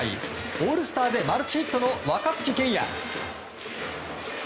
オールスターでマルチヒットの若月健矢。